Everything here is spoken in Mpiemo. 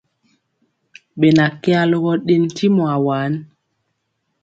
Ɓena kɛ alogɔ ɗen ntimɔ awaan ?